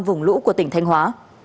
vùng lũ của tỉnh thanh hóa